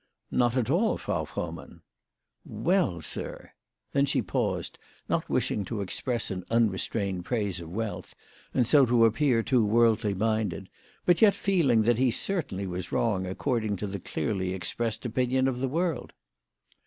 " Not at all, Frau Frohmann." " Well, sir !" Then she paused, not wishing to express an unrestrained praise of wealth, and so to appear too worldly minded, but yet feeling that he certainly was wrong according to the clearly expressed opinion of the world.